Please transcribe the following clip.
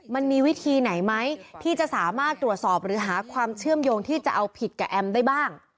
มันมีวิธีไหนไหมที่จะสามารถตรวจสอบหรือหาความเชื่อมโยงที่จะเอาผิดกับแอมได้บ้าง